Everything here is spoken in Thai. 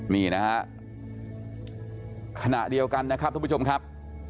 นี่นะฮะขณะเดียวกันนะครับท่านผู้ชมครับ